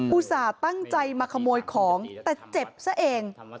อุตส่าห์ตั้งใจมาขโมยของแต่เจ็บซะเอง